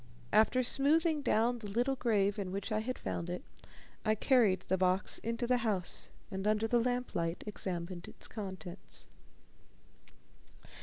After smoothing down the little grave in which I had found it, I carried the box into the house, and under the lamplight examined its contents.